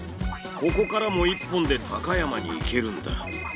ここからも１本で高山に行けるんだ。